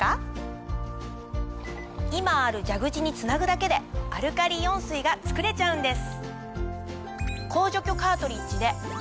今ある蛇口につなぐだけでアルカリイオン水が作れちゃうんです。